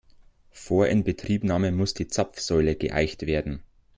Vor Inbetriebnahme muss die Zapfsäule geeicht werden.